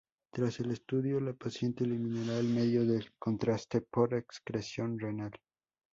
Tras el estudio, la paciente eliminará el medio de contraste por excreción renal.